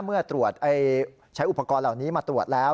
เมื่อใช้อุปกรณ์เหล่านี้มาตรวจแล้ว